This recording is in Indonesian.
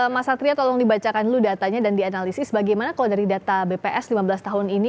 mas satria tolong dibacakan dulu datanya dan dianalisis bagaimana kalau dari data bps lima belas tahun ini